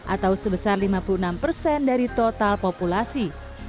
atau sebesar lima puluh enam persen dari total populasi